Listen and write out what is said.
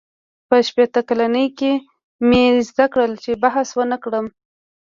• په شپېته کلنۍ کې مې زده کړل، چې بحث ونهکړم.